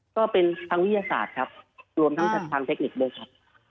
ก็เป็นทางวิทยาศาสตร์ครับรวมทั้งจากทางเทคนิคด้วยครับ